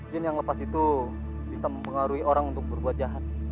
jin yang lepas itu bisa mempengaruhi orang untuk berbuat jahat